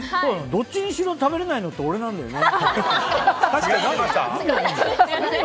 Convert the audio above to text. どっちにしろ食べれないのって俺なんだよね。